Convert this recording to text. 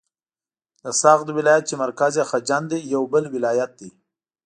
د سغد ولایت چې مرکز یې خجند دی یو بل ولایت دی.